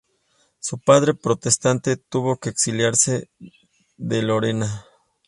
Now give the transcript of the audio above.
Su padre, protestante, tuvo que exiliarse de Lorena.